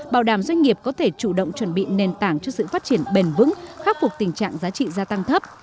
bảo đảm doanh nghiệp có thể chủ động chuẩn bị nền tảng cho sự phát triển bền vững khắc phục tình trạng giá trị gia tăng thấp